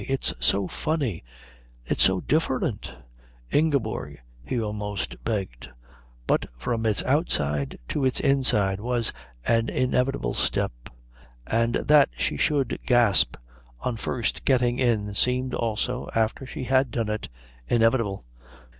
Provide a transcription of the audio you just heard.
"It's so funny it's so different " "Ingeborg " he almost begged; but from its outside to its inside was an inevitable step, and that she should gasp on first getting in seemed also, after she had done it, inevitable.